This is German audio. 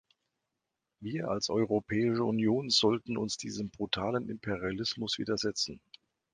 Wir als Europäische Union sollten uns diesem brutalen Imperialismus widersetzen.